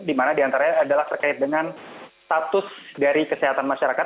di mana diantaranya adalah terkait dengan status dari kesehatan masyarakat